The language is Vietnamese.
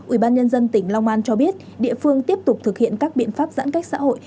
ubnd tỉnh long an cho biết địa phương tiếp tục thực hiện các biện pháp giãn cách xã hội